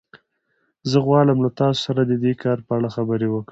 زه غواړم له تاسو سره د دې کار په اړه خبرې وکړم